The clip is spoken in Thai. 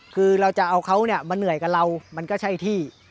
คือเราจะเอาเขาเนี่ยมาเหนื่อยกับเรามันก็ใช่ที่